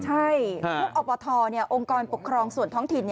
ใช่ทุกอปทองค์กรปกครองส่วนท้องถิ่น